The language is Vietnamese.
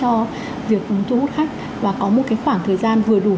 cho việc thu hút khách và có một cái khoảng thời gian vừa đủ